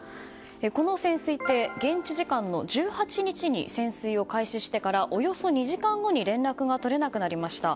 この潜水艇、現地時間の１８日に潜水を開始してからおよそ２時間後に連絡が取れなくなりました。